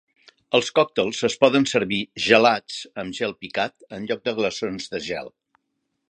Els còctels es poden servir "gelats" amb gel picat enlloc de glaçons de gel.